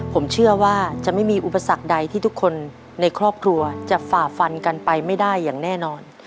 ผมเชื่อว่าจะไม่มีอุปสรรคใดที่ทุกคนในครอบครัวจะฝ่าฟันกันไปไม่ได้อย่างแน่นอน